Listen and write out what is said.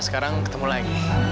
sekarang ketemu lagi